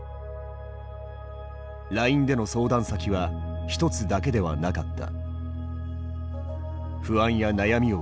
ＬＩＮＥでの相談先は一つだけではなかった。